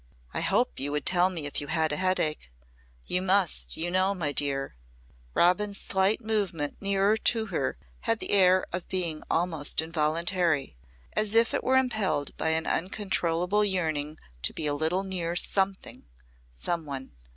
"I hope you would tell me if you had a headache. You must, you know, my dear." Robin's slight movement nearer to her had the air of being almost involuntary as if it were impelled by an uncontrollable yearning to be a little near something some one.